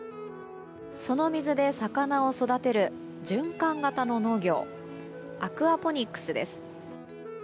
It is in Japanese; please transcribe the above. その水で魚を育てる循環型の農業アクアポニックスです。